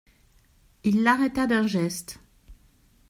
Il l'arrêta d'un geste.